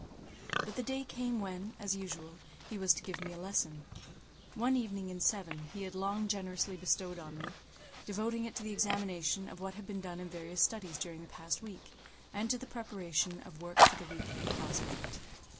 But the day came when, as usual, he was to give me a lesson. One evening in seven he had long generously bestowed on me, devoting it to the examination of what had been done in various studies during the past week, and to the preparation of work for the week in prospect.